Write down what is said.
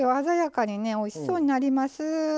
鮮やかにねおいしそうになります。